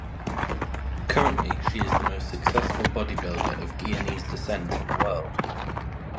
Currently, she is the most successful bodybuilder of Guyanese descent in the world.